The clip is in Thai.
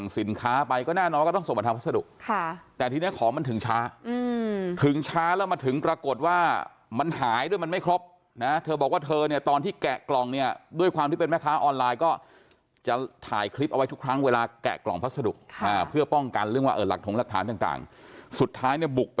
สินค้าที่จะส่งของเลยนะฮะเพื่อจะถามว่าเออมันเกิดอะไรยังไงขึ้นครับ